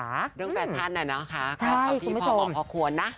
เรื่องแฟชั่นน่ะนะคะกับพี่พรหมอพอควรนะ